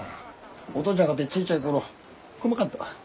お父ちゃんかてちいちゃい頃こまかったわ。